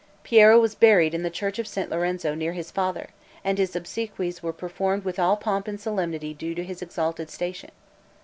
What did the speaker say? Piero was buried in the church of St. Lorenzo, near his father, and his obsequies were performed with all the pomp and solemnity due to his exalted station.